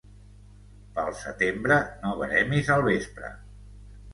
Pel setembre no veremis al vespre.